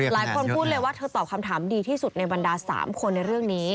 หลายคนพูดเลยว่าเธอตอบคำถามดีที่สุดในบรรดา๓คนในเรื่องนี้